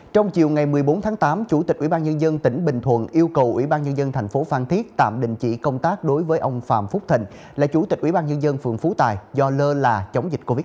trong chiều ngày một mươi bốn tháng tám chủ tịch ủy ban nhân dân tỉnh bình thuận yêu cầu ủy ban nhân dân tp phan thiết tạm đình chỉ công tác đối với ông phạm phúc thịnh là chủ tịch ủy ban nhân dân phường phú tài do lơ là chống dịch covid một mươi chín